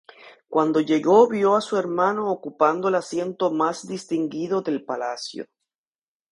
Cuando llegó vio a su hermano ocupando el asiento más distinguido del palacio.